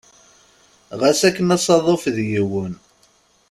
Ɣas akken asaḍuf d yiwen.